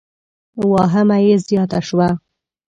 واهمه یې زیاته شوه.